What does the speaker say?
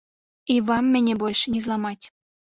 І вам мяне больш не зламаць.